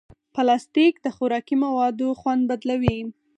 پلاستيک د خوراکي موادو خوند بدلوي.